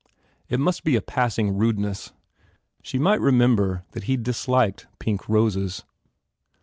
It must be a passing rudeness. She might remember that he disliked pink roses.